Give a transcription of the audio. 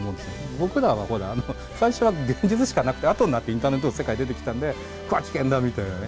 僕らは最初は現実しかなくて、あとになってインターネットの世界が出てきたんで、これは危険だみたいなね。